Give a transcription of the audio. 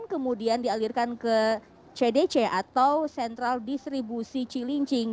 kemudian dialirkan ke cdc atau central distribution chilincing